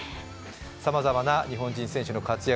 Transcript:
さまざまな日本人選手の活躍